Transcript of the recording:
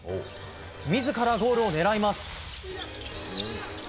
自らゴールを狙います。